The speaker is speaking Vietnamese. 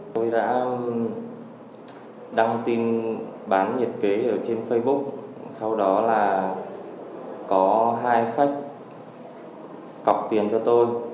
tôi đã đăng tin bán nhiệt kế ở trên facebook sau đó là có hai khách cọc tiền cho tôi